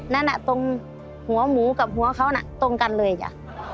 นั่นตรงหัวหมูกับหัวเขาน่ะตรงกันเลยจ้ะ